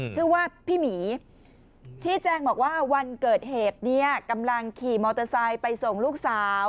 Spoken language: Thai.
ชื่อว่าพี่หมีชี้แจงบอกว่าวันเกิดเหตุเนี่ยกำลังขี่มอเตอร์ไซค์ไปส่งลูกสาว